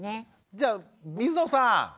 じゃあ水野さん。